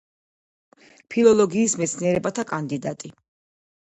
ფილოლოგიის მეცნიერებათა კანდიდატი.